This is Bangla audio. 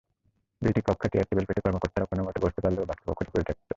দুটি কক্ষে চেয়ার-টেবিল পেতে কর্মকর্তারা কোনোমতে বসতে পারলেও বাকি কক্ষটি পরিত্যক্ত।